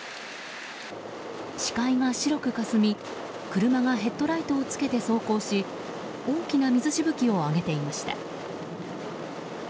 視界が白くかすみ車がヘッドライトをつけて走行し大きな水しぶきを上げていました。